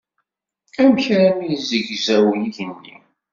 Amek armi zegzaw yigenni?